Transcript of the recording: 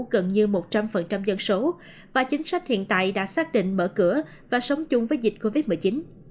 gần như một trăm linh dân số và chính sách hiện tại đã xác định mở cửa và sống chung với dịch covid một mươi chín